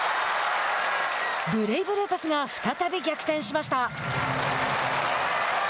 ブレイブルーパスが再び逆転しました。